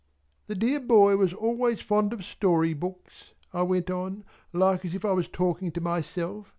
"The dear boy was always fond of story books" I went on, like as if I was talking to myself.